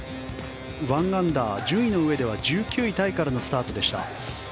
１アンダー、順位の上では１９位タイからのスタートでした。